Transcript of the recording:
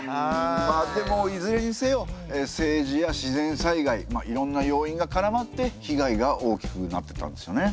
まあでもいずれにせよ政治や自然災害いろいろな要因がからまって被害が大きくなったんですよね。